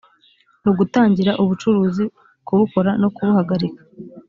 ni ugutangira ubucuruzi kubukora no kubuhagarika